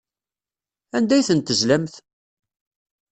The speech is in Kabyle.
Anda ay tent-tezlamt?